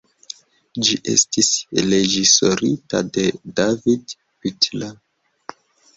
Ĝi estis reĝisorita de David Butler.